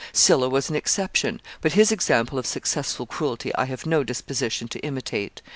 Sylla was an exception; but his example of successful cruelty I have no disposition to imitate.